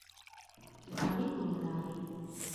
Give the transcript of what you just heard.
د اړیکو له لارې